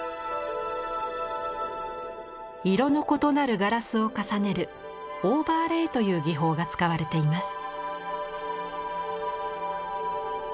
色の異なるガラスを重ねるオーバーレイという技法が使われています。